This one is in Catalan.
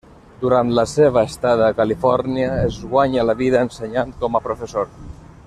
Durant la seva estada a Califòrnia, es guanya la vida ensenyant com a professor.